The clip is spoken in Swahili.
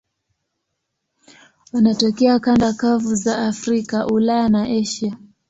Wanatokea kanda kavu za Afrika, Ulaya na Asia.